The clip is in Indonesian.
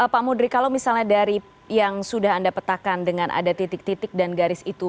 pak mudri kalau misalnya dari yang sudah anda petakan dengan ada titik titik dan garis itu